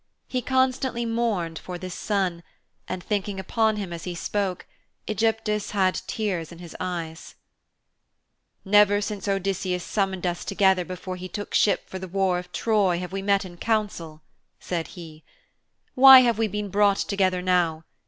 He constantly mourned for this son, and thinking upon him as he spoke, Ægyptus had tears in his eyes. 'Never since Odysseus summoned us together before he took ship for the war of Troy have we met in council,' said he. 'Why have we been brought together now?